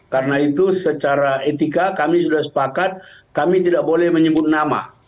karena itu secara etika kami sudah sepakat kami tidak boleh menyebut nama